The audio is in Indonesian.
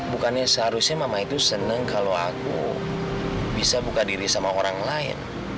bukannya seharusnya mama itu senang kalau aku bisa buka diri sama orang lain